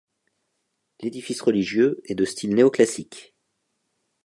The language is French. L'édifice religieux est de style néoclassique.